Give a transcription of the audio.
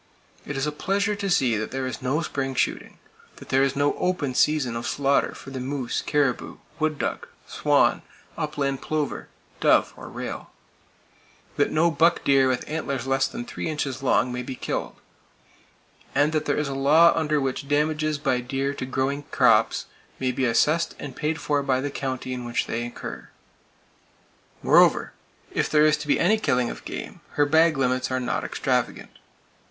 It is a pleasure to see that there is no spring shooting; that there is no "open" season of slaughter for the moose, caribou, wood duck, swan, upland plover, dove or rail; that no buck deer with antlers less than three inches long may be killed; and that there is a law under which damages by deer to growing crops may be assessed and paid for by the county in which they occur. Moreover, if there is to be any killing of game, her bag limits are not extravagant.